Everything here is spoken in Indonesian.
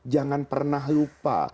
jangan pernah lupa